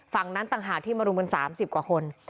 ฝั่งนั้นต่างหากที่มารุมกัน๓๐กว่าคน